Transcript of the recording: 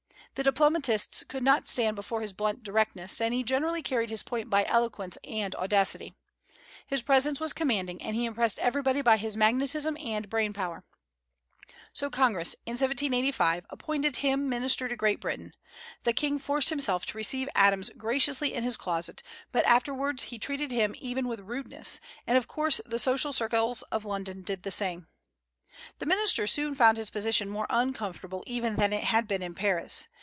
The diplomatists could not stand before his blunt directness, and he generally carried his point by eloquence and audacity. His presence was commanding, and he impressed everybody by his magnetism and brainpower. So Congress, in 1785, appointed him minister to Great Britain. The King forced himself to receive Adams graciously in his closet, but afterwards he treated him even with rudeness; and of course the social circles of London did the same. The minister soon found his position more uncomfortable even than it had been in Paris.